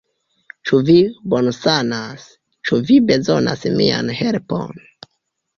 Ĉu vi bonsanas? Ĉu vi bezonas mian helpon?